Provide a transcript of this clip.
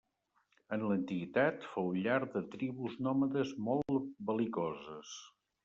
En l'antiguitat, fou llar de tribus nòmades molt bel·licoses.